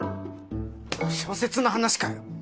小説の話かよ。